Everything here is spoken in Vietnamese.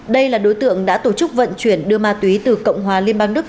đây là đối tượng đã tổ chức vận chuyển đưa ma túy từ cộng hòa liên bang đức